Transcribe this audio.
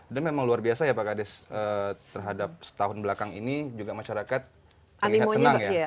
dan memang luar biasa ya pak kade terhadap setahun belakang ini juga masyarakat terlihat senang ya